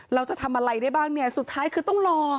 เราจะทำอะไรได้บ้างเนี่ยสุดท้ายคือต้องรอ